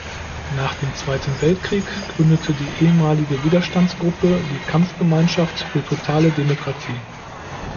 Nach dem Zweiten Weltkrieg gründete die ehemalige Widerstandsgruppe die „Kampfgemeinschaft für totale Demokratie“.